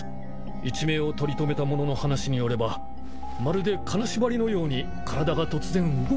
一命を取り留めた者の話によればまるで金縛りのように体が突然動かなくなったと。